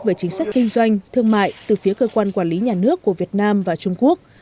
về chính sách kinh doanh thương mại từ phía cơ quan quản lý nhà nước của việt nam và trung quốc